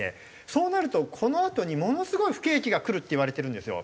そうなるとこのあとにものすごい不景気がくるっていわれてるんですよ。